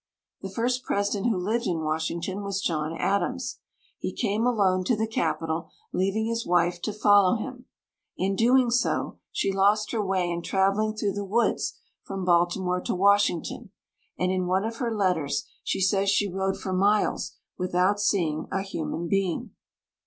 The first President who lived in Washington was John Adams. He came alone to the capital, leaving his wife to follow him. In doing so, she lost her way in traveling through the woods from Baltimore to Washington, and in one of her letters she says she rode for miles without see ing a human being.